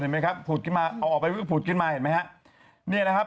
มันเป็นเครื่องพื้มได้ยังไง